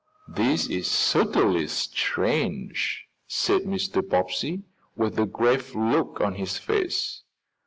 "This is certainly strange," said Mr. Bobbsey, with a grave look on his face.